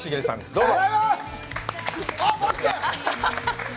どうぞ！